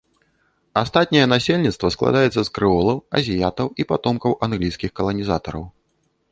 Астатняе насельніцтва складаецца з крэолаў, азіятаў і патомкаў англійскіх каланізатараў.